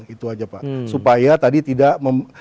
itu aja pak supaya tadi tidak